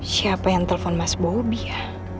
siapa yang telepon mas bopi ya